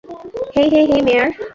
হেই hey hey, মেয়ার!